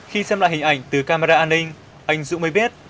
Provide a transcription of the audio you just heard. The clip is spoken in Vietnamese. khi xem lại hình ảnh từ camera an ninh anh dũng mới biết